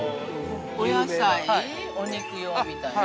◆お野菜、お肉用みたいな。